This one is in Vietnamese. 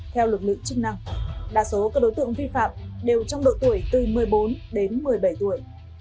theo lực lượng chức năng đa số các đối tượng vi phạm đều trong độ tuổi từ một mươi bốn đến một mươi bảy tuổi